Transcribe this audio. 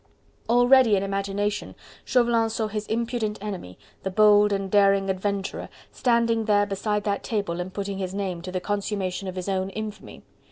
Already in imagination, Chauvelin saw his impudent enemy, the bold and daring adventurer, standing there beside that table and putting his name to the consummation of his own infamy.